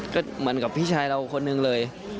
ก็เหมือนกับพี่ชายเราคนหนึ่งเลย